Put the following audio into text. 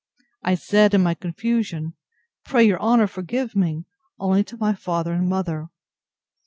—I said, in my confusion, Pray your honour forgive me!—Only to my father and mother.